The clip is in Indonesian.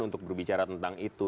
untuk berbicara tentang itu